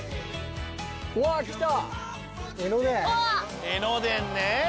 うわっ来た！